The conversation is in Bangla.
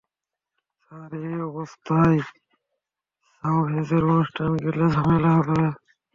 স্যার, এই অবস্থায় সাওভ্যাজের অনুষ্ঠানে গেলে ঝামেলা হবে।